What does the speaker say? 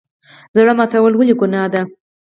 زړه ماتول ولې ګناه ده؟